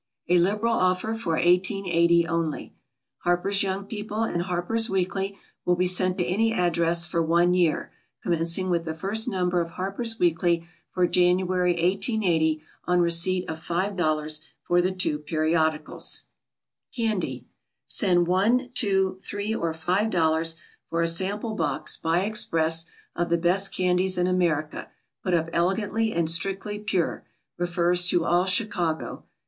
A LIBERAL OFFER FOR 1880 ONLY. HARPER'S YOUNG PEOPLE and HARPER'S WEEKLY will be sent to any address for one year, commencing with the first Number of HARPER'S WEEKLY for January, 1880, on receipt of $5.00 for the two Periodicals. CANDY Send one, two, three, or five dollars for a sample box, by express, of the best Candies in America, put up elegantly and strictly pure. Refers to all Chicago.